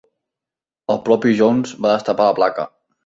El propi Jones va destapar la placa.